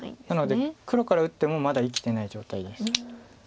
なので黒から打ってもまだ生きてない状態です。